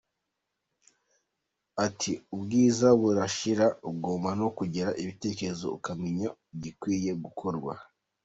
Ati “Ubwiza burashira ugomba no kugira ibitekerezo ukamenya igikwiye gukorwa.